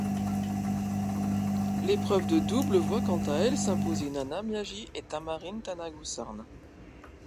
L'épreuve de double voit quant à elle s'imposer Nana Miyagi et Tamarine Tanasugarn.